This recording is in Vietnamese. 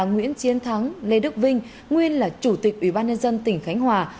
nguyễn chiến thắng lê đức vinh nguyên là chủ tịch ủy ban nhân dân tỉnh khánh hòa